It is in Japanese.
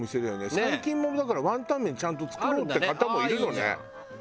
最近もだからワンタン麺ちゃんと作ろうって方もいるのね。